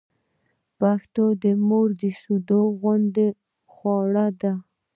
پښتو د مور شېدو غوندې خواړه ده